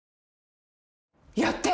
やって！